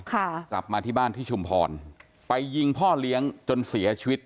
กลับมาที่บ้านที่ชุมพรไปยิงพ่อเลี้ยงจนเสียชีวิต